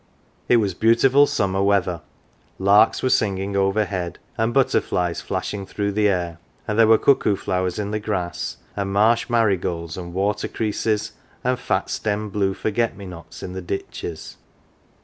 It was beautiful summer weather : larks were singing overhead and butterflies flashing through the air ; and there were cuckoo flowers in the grass, and marsh mari golds and "water creases'" and fat stemmed blue forget me nots in the ditches.